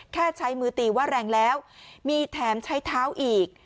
แค่ใช้มือตีว่าแรงแล้วมีแถมใช้เท้าอีก